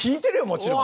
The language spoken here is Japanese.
もちろん。